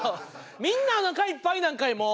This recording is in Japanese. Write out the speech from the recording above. みんなおなかいっぱいなんかいもう。